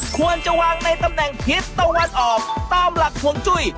ควรจะวางในตำแหน่งทิศตะวันออกตามหลักห่วงจุ้ย